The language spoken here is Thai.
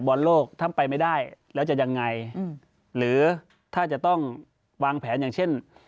บอลโลกถ้าไปไม่ได้แล้วจะยังไงหรือถ้าจะต้องวางแผนอย่างเช่น